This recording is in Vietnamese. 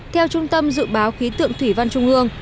theo trung tâm dự báo khí tượng thủy văn trung ương